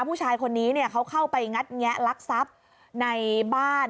ผู้ชายคนนี้เขาเข้าไปงัดแงะลักทรัพย์ในบ้าน